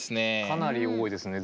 かなり多いですね。